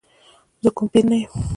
زه کوم پیر نه یم.